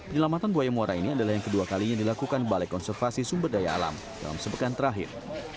penyelamatan buaya muara ini adalah yang kedua kalinya dilakukan balai konservasi sumber daya alam dalam sepekan terakhir